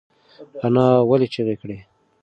انا ولې چیغه کړه؟